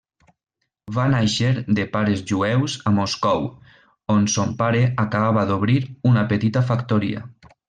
Va nàixer de pares jueus a Moscou, on son pare acabava d'obrir una petita factoria.